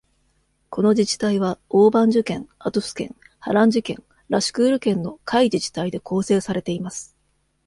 この自治体は、オーバンジュ県、アトゥス県、ハランジ県、ラシュクール県の下位自治体で構成されています。